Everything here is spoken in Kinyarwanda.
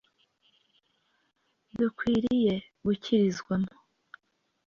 dukwiriye gukirizwamo